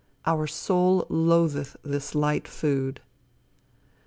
Our soul loatheth this light food."